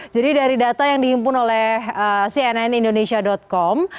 jadi dari data yang diimpun oleh cnn indonesia com